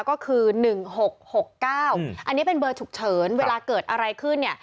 ก็คือ๑๖๖๙อันนี้เป็นเบอร์ฉุกเฉินเวลาเกิดอะไรขึ้นเนี่ย